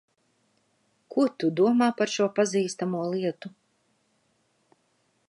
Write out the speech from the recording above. Ko tu domā par šo pazīstamo lietu?